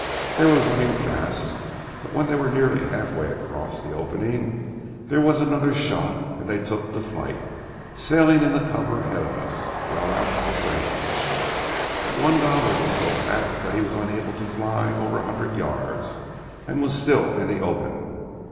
They were running fast; but when they were nearly halfway across the opening, there was another shot and they took flight, sailing into cover ahead of us, well out of range. But one gobbler was so fat that he was unable to fly over a hundred yards and was still in the open.